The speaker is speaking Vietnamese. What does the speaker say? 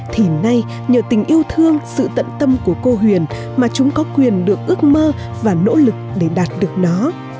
thì nay nhờ tình yêu thương sự tận tâm của cô huyền mà chúng có quyền được ước mơ và nỗ lực để đạt được nó